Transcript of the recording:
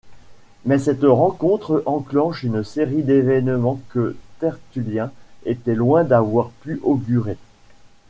Mais cette rencontre enclenche une série d'événements que Tertullien était loin d'avoir pu augurer.